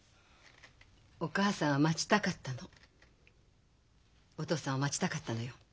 お母さんは待ちたかったのお父さんを待ちたかったのよ。